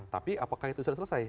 tapi apakah itu sudah selesai